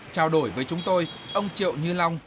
chào đổi với chúng tôi ông triệu như long